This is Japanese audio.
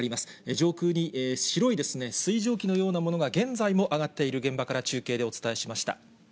上空に白い水蒸気のようなものが、現在も上がっている現場から中継でお伝えしました。